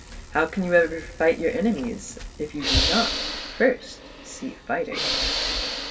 How can you ever fight your enemies if you do not first see fighting